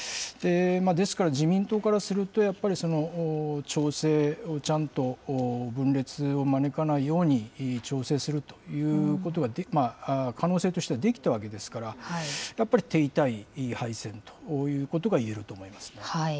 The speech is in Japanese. ですから、自民党からすると、やっぱり調整をちゃんと、分裂を招かないように調整するということが、可能性としてはできたわけですから、やっぱり、手痛い敗戦ということがいえると思いますね。